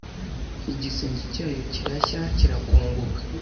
igisenge cyayo kirashya kirakongoka